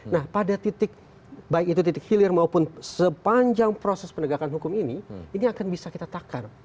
nah pada titik baik itu titik hilir maupun sepanjang proses penegakan hukum ini ini akan bisa kita takar